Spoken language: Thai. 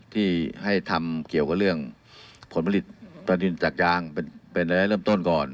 ที่ให้ทำเกี่ยวกับเรื่องผลผลิตประดินจากยางเป็นระยะเริ่มต้นก่อน